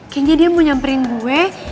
kayaknya dia mau nyamperin gue